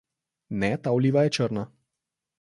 Ne, ta oliva je črna.